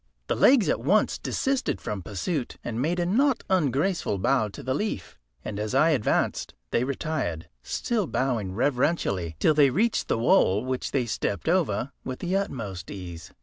The legs at once desisted from pursuit, and made a not ungraceful bow to the leaf, and as I advanced they retired, still bowing reverentially, till they reached the wall, which they stepped over with the utmost ease.